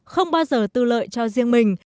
không bao giờ tư lợi cho riêng mình